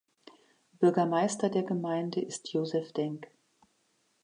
Bürgermeister der Gemeinde ist Josef Denk.